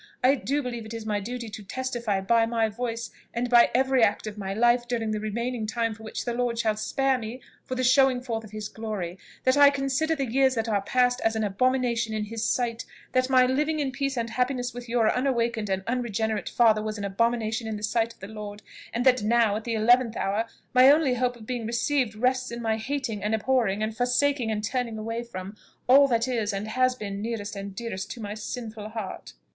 I do believe it is my duty to testify by my voice, and by every act of my life during the remaining time for which the Lord shall spare me for the showing forth of his glory, that I consider the years that are past as an abomination in his sight; that my living in peace and happiness with your unawakened and unregenerate father was an abomination in the sight of the Lord; and that now, at the eleventh hour, my only hope of being received rests in my hating and abhorring, and forsaking and turning away from, all that is, and has been, nearest and dearest to my sinful heart!"